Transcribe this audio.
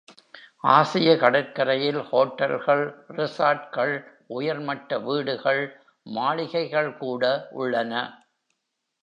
ஆசிய கடற்கரையில் ஹோட்டல்கள், ரிசார்ட்கள், உயர்மட்ட வீடுகள், மாளிகைகள்கூட உள்ளன.